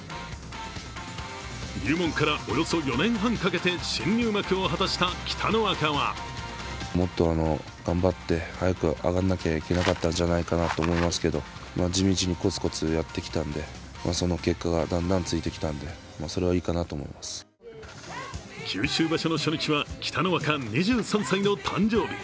入門からおよそ４年半かけて新入幕を果たした北の若は九州場所の初日は、北の若、２３歳の誕生日。